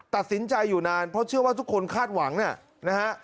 ตัดสินใจอยู่นานเพราะเชื่อว่าทุกคนคาดหวังนะฮะ